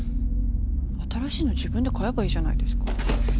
新しいの自分で買えばいいじゃないですか。